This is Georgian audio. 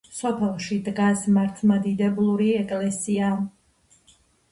სოფელში დგას მართლმადიდებლური ეკლესია.